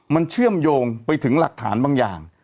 มันเชื่อมโยงไปถึงหลักฐานบางอย่าง